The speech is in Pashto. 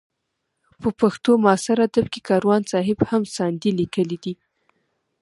په پښتو معاصر ادب کې کاروان صاحب هم ساندې لیکلې دي.